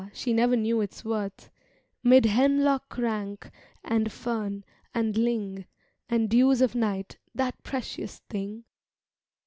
she never knew its worth) 'Mid hemlock rank, and fern, and ling, And dews of night, that precious thing!